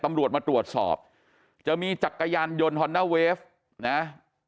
ตำรวจมาตรวจสอบจะมีจักรยานยนต์ฮอนด้าเวฟนะ